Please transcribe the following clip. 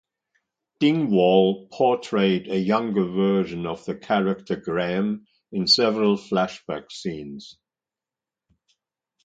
Dingwall portrayed a younger version of the character Graham in several flashback scenes.